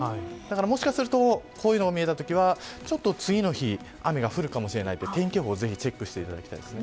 もしかするとこういうのが見えたときは次の日雨が降るかもしれないので天気予報を、ぜひチェックしていただきたいです。